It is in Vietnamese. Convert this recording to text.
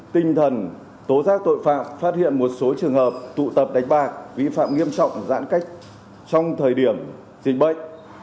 tinh thần tố giác tội phạm phát hiện một số trường hợp tụ tập đánh bạc vi phạm nghiêm trọng giãn cách trong thời điểm dịch bệnh